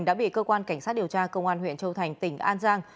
đã bị cơ quan cảnh sát điều tra công an huyện châu thành tỉnh an giang